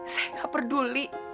saya gak peduli